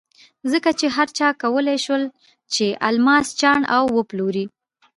ځکه چې هر چا کولای شول چې الماس چاڼ او وپلوري.